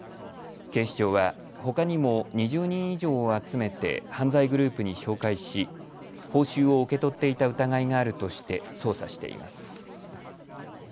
警視庁はほかにも２０人以上を集めて犯罪グループに紹介し報酬を受け取っていた疑いがあるとして捜査しています。